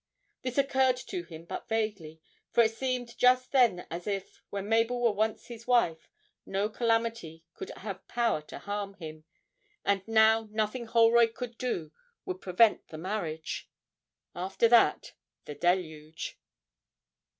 This occurred to him but vaguely, for it seemed just then as if, when Mabel were once his wife, no calamity could have power to harm him, and now nothing Holroyd could do would prevent the marriage. After that the Deluge!